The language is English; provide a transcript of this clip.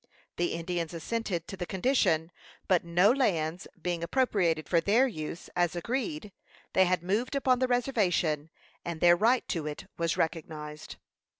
The Indians assented to the condition, but no lands being appropriated for their use, as agreed, they had moved upon the reservation, and their right to it was recognized.